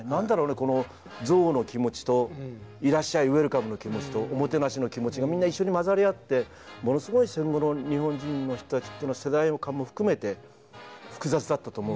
この憎悪の気持ちといらっしゃいウエルカムの気持ちとおもてなしの気持ちがみんな一緒に混ざり合ってものすごい戦後の日本人の人たちっていうのは世代も含めて複雑だったと思う。